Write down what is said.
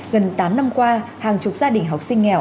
gần tám năm qua hàng chục gia đình học sinh nghèo